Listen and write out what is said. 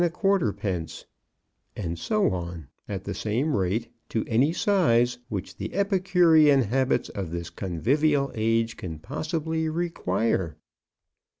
_; and so on, at the same rate, to any size which the epicurean habits of this convivial age can possibly require.